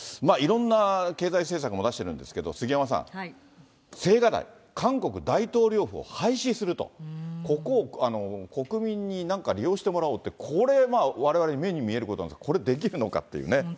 いろんな経済政策も出してるんですけど、杉山さん、青瓦台、韓国大統領府を廃止すると、ここを国民になんか利用してもらおうって、これ、われわれ目に見えることなんですが、これ、本当ですよね。